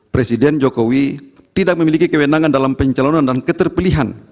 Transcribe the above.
presiden jokowi tidak memiliki kewenangan dalam pencalonan dan keterpilihan